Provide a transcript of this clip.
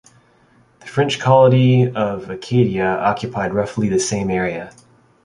The French colony of Acadia occupied roughly the same area.